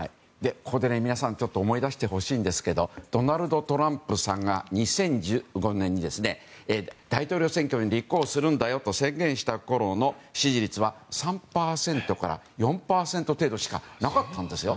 ここで皆さん思い出してほしいんですけどドナルド・トランプさんが２０１５年に大統領選挙に立候補すると宣言したころの支持率は３％から４％程度しかなかったんですよ。